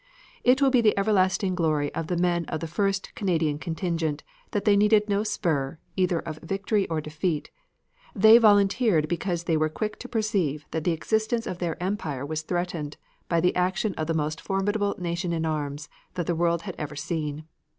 It will be the everlasting glory of the men of the first Canadian contingent, that they needed no spur, either of victory or defeat: they volunteered because they were quick to perceive that the existence of their Empire was threatened by the action of the most formidable nation in arms that the world had ever seen.